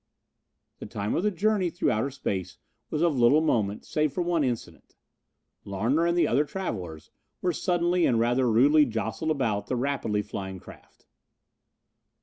The time of the journey through outer space was of little moment save for one incident. Larner and the other travelers were suddenly and rather rudely jostled about the rapidly flying craft.